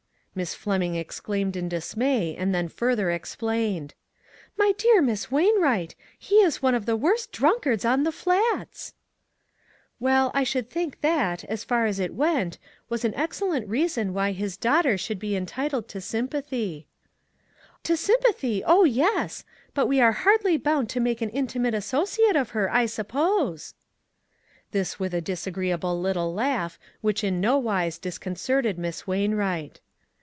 Miss Fleming exclaimed in dismay, and then further explained :" My dear Miss Wainwright, he is one of the worst drunkards on the Flats !"" Well, I should think that, as far as it went, was an excellent reason why his daughter should be entitled to sympathy." "To sympathy, oh! yes; but we are hardly bound to make an intimate associate of her, I suppose." This with a disagreeable little laugh which in no wise disconcerted Miss Wainwright.